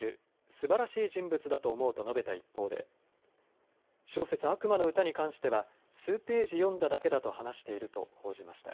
すばらしい人物だと思うと述べた一方で小説、悪魔の詩に関しては数ページ読んだだけだと話していると報じました。